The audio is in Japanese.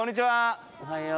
おはよう。